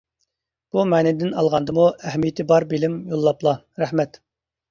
بۇ مەنىدىن ئالغاندىمۇ ئەھمىيىتى بار بىلىم يوللاپلا، رەھمەت.